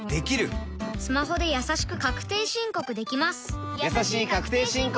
スマホでやさしく確定申告できます